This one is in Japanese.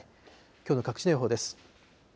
きょうの各地の予報です。